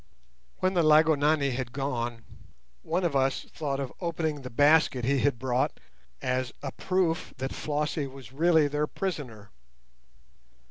When the Lygonani had gone, one of us thought of opening the basket he had brought as a proof that Flossie was really their prisoner.